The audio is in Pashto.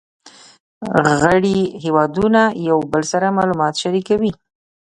غړي هیوادونه یو بل سره معلومات شریکوي